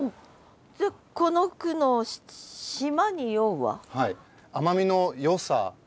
じゃあこの句の「島に酔う」は？